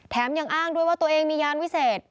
ยังอ้างด้วยว่าตัวเองมียานวิเศษ